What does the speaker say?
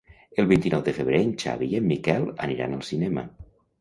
El vint-i-nou de febrer en Xavi i en Miquel aniran al cinema.